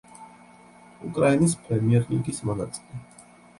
უკრაინის პრემიერლიგის მონაწილე.